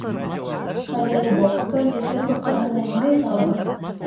Хәҙерге бокста лидерлыҡ тураһында нимә әйтә алаһың?